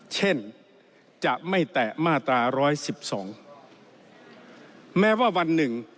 เช่นจะไม่แตะมาตราร้อยสิบสองแม้ว่าวันหนึ่ง